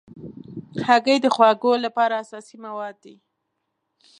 هګۍ د خواږو لپاره اساسي مواد دي.